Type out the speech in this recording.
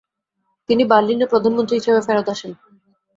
তিনি বার্লিনে প্রধানমন্ত্রী হিসেবে ফেরত আসেন।